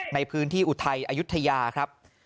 ในพื้นที่อุทัยอายุทยาครับ